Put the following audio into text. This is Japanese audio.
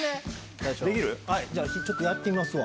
ちょっとやってみますわ。